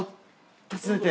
訪ねて。